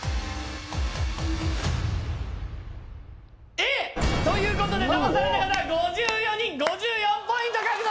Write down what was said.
Ａ！ということで騙された方５４人５４ポイント獲得！